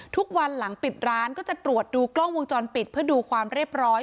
ทุกวันหลังปิดร้านก็จะตรวจดูกล้องวงจรปิดเพื่อดูความเรียบร้อย